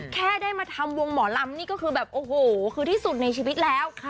แค่ได้มาทำวงหมอลำนี่ก็คือแบบโอ้โหคือที่สุดในชีวิตแล้ว